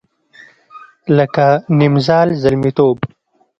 لکه نیمزال زلمیتوب